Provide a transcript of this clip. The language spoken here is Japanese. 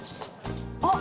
あっ！